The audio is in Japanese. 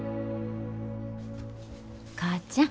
母ちゃん。